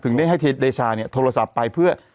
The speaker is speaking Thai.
ถึงได้เทวดีีเต็ชาโทรศัพท์ไปเพื่อ